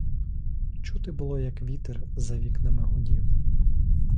Чути було, як вітер за вікнами гудів.